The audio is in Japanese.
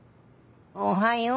おはよう。